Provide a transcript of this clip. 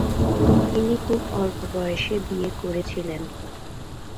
তিনি খুব অল্প বয়সে বিয়ে করেছিলেন।